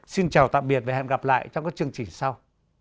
xin chào tạm biệt và hẹn gặp lại trong các chương trình sau